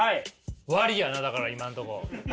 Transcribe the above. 割やなだから今んとこ。